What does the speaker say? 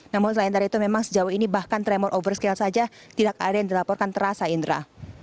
namun selain dari itu memang sejauh ini bahkan tremor over scale saja tidak ada yang dilaporkan terasa indra